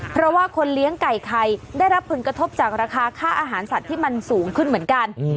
เพราะว่าคนเลี้ยงไก่ไข่ได้รับผลกระทบจากราคาค่าอาหารสัตว์ที่มันสูงขึ้นเหมือนกัน